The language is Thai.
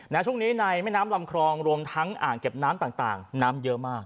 ช่วงนี้ในแม่น้ำลำคลองรวมทั้งอ่างเก็บน้ำต่างน้ำเยอะมาก